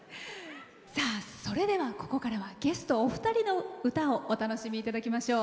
それでは、ここからはゲストお二人の歌をお楽しみいただきましょう。